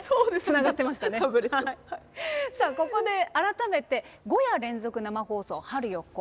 さあここで改めて「５夜連続生放送春よ、来い！」